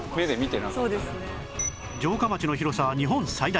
城下町の広さは日本最大